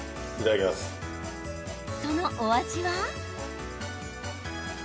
そのお味は？